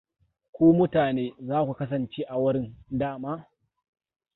Ku mutane za ku kasance a wurin, dama?